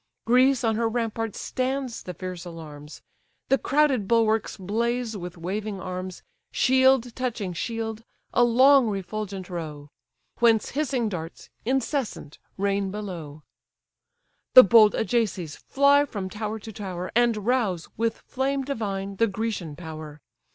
Greece on her ramparts stands the fierce alarms; The crowded bulwarks blaze with waving arms, Shield touching shield, a long refulgent row; Whence hissing darts, incessant, rain below. The bold Ajaces fly from tower to tower, And rouse, with flame divine, the Grecian power.